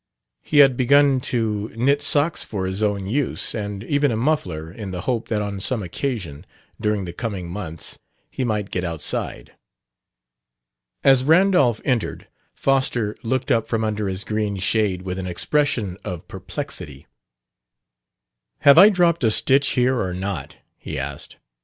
He had begun to knit socks for his own use; and even a muffler, in the hope that on some occasion, during the coming months, he might get outside. As Randolph entered, Foster looked up from under his green shade with an expression of perplexity. "Have I dropped a stitch here or not?" he asked.